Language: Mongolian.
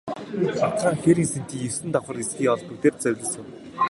Бат хаан хээрийн сэнтий есөн давхар эсгий олбог дээр завилж суув.